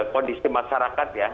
kondisi masyarakat ya